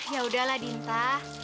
ya udahlah dinta